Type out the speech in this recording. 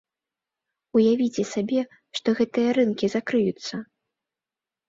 Уявіце сабе, што гэтыя рынкі закрыюцца!